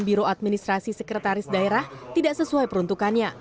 biro administrasi sekretaris daerah tidak sesuai peruntukannya